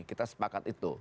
kita sepakat itu